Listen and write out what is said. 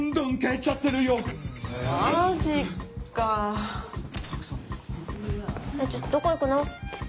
ちょっとどこ行くの？